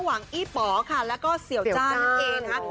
หวังอี้ป๋อค่ะแล้วก็เสียวจ้านั่นเองนะคะ